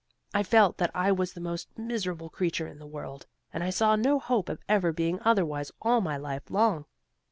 I felt that I was the most miserable creature in the world, and I saw no hope of ever being otherwise all my life long.